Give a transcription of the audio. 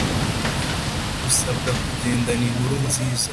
usabwa kugendana inkuru nziza